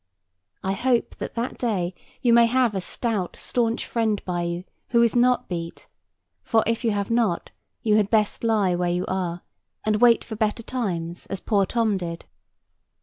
I hope that that day you may have a stout staunch friend by you who is not beat; for, if you have not, you had best lie where you are, and wait for better times, as poor Tom did.